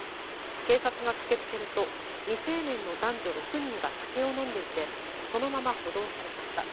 警察が駆け付けると未成年の男女６人が酒を飲んでいてそのまま補導されました。